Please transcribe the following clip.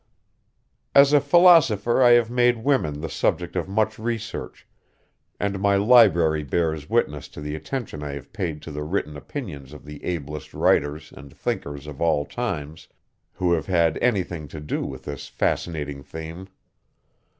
As a philosopher I have made woman the subject of much research, and my library bears witness to the attention I have paid to the written opinions of the ablest writers and thinkers of all times, who have had anything to do with this fascinating theme.